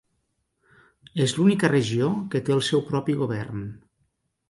És l'única regió que té el seu propi govern.